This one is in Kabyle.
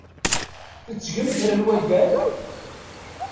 Tettgem kra n waddal?